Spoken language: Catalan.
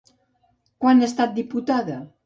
Quan ha estat diputada?